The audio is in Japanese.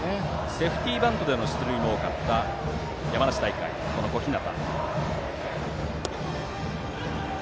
セーフティーバントでの出塁も多かった山梨大会の小日向。